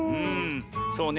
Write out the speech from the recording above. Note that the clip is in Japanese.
そうね。